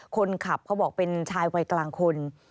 เขาบอกเป็นชายวัยกลางคน